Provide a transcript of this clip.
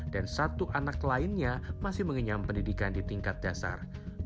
dan satu anak lainnya masih mengenyam pendidikan di tingkat dasar